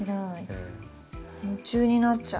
夢中になっちゃう。